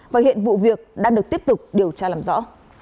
và hiện vụ việc đang được tiếp tục điều tra làm rõ